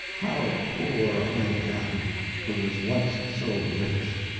How poor I am, who was once so rich!